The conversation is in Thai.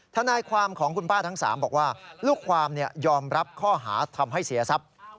ทนายความของคุณป้าทั้ง๓บอกว่าลูกความยอมรับข้อหาทำให้เสียทรัพย์